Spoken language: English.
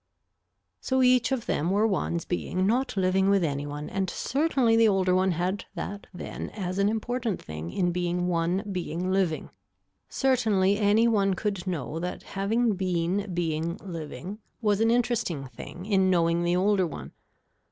So each of them were ones being not living with any one and certainly the older one had that then as an important thing in being one being living. Certainly any one could know that having been being living was an interesting thing in knowing the older one.